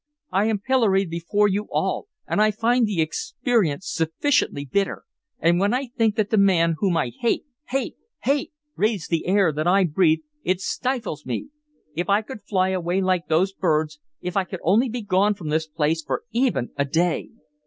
I am pilloried before you all, and I find the experience sufficiently bitter. And when I think that that man whom I hate, hate, hate, breathes the air that I breathe, it stifles me! If I could fly away like those birds, if I could only be gone from this place for even a day!"